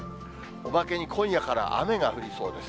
おまけに今夜から雨が降りそうです。